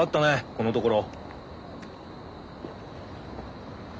このところ。